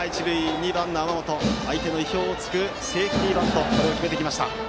２番の天本相手の意表を突くセーフティーバントを決めてきました。